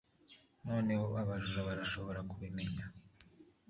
Noneho abajura barashobora kubimenya